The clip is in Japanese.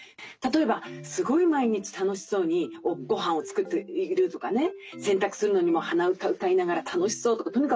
例えばすごい毎日楽しそうにごはんを作っているとかね洗濯するのにも鼻歌歌いながら楽しそうとか。